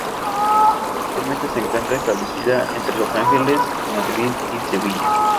Actualmente se encuentra establecida entre Los Ángeles, Madrid y Sevilla.